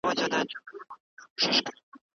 خپل چلند په ماشوم کې نظم راولي.